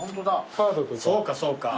そうかそうか。